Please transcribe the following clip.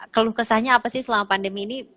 keluh kesahnya apa sih selama pandemi ini